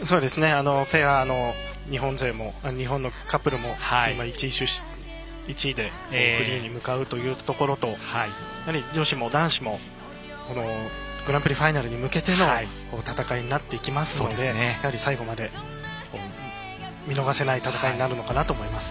ペアの日本のカップルも１位でフリーに向かうところと女子も男子もグランプリファイナルに向けての戦いになっていきますので最後まで見逃せない戦いになるのかなと思います。